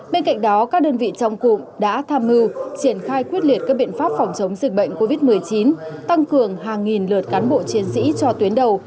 bên cạnh đó các đơn vị trong cụm đã tham mưu triển khai quyết liệt các biện pháp phòng chống dịch bệnh covid một mươi chín tăng cường hàng nghìn lượt cán bộ chiến sĩ cho tuyến đầu